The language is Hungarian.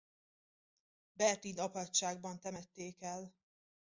Bertin apátságban temették el.